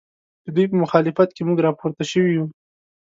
ددوی په مخالفت کې موږ راپورته شوي یو